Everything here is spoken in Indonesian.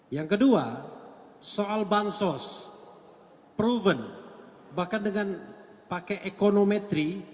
yang kedua soal bansos proven bahkan dengan pakai econometri